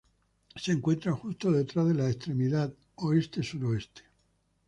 Se encuentra justo detrás de la extremidad oeste-suroeste.